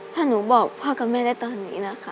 ถ้าหนูบอกพ่อกับแม่ได้ตอนนี้นะคะ